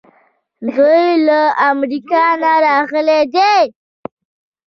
دوی له امریکا نه راغلي دي.